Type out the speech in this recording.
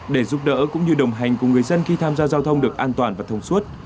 để giúp đỡ cũng như đồng hành cùng người dân khi tham gia giao thông được an toàn và thông suốt